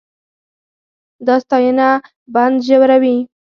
دا ستاینه بند ژوروي.